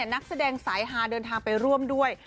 นักแสดงสายฮาเดินทางไปร่วมด้วย